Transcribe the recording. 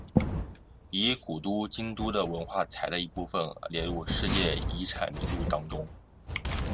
以古都京都的文化财的一部分而列入世界遗产名录当中。